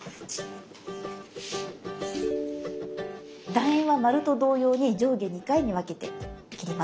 だ円は丸と同様に上下２回に分けて切ります。